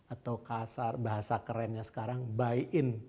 atau kasar bahasa kerennya sekarang buy in